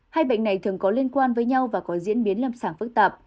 hai bệnh này thường có liên quan với nhau và có diễn biến làm sảng phức tạp